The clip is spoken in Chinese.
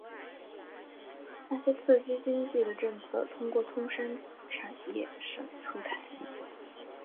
那些刺激经济的政策通过通商产业省出台。